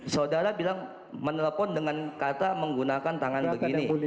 saudara bilang menelpon dengan kata menggunakan tangan begini